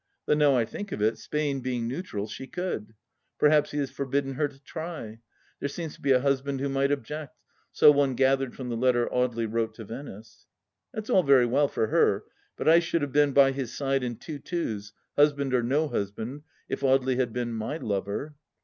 Though now I think of it, Spain, being neutral, she could ! Perhaps he has forbidden her to try ? There seems to be a husband who might object. So one gathered from the letter Audely wrote to Venice. ... That's all very well, for her, but I should have been by his side in two twos, husband or no husband, if Audely had been my lover.